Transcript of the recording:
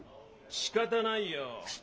しかたないよ。